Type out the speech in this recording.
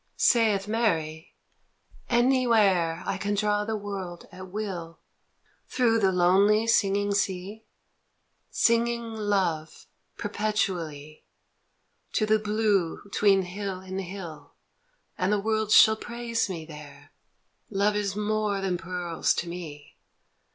Sayeth Mary :" Anywhere I can draw the world at will, Through the lonely singing sea, Singing love perpetually, To the blue 'tween hill and hill, And the world shall praise me there. " Love is more than pearls to me.